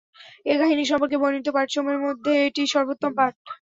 এ কাহিনী সম্পর্কে বর্ণিত পাঠসমূহের মধ্যে এটিই সর্বোত্তম পাঠ।